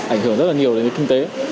ảnh hưởng rất là nhiều đến kinh tế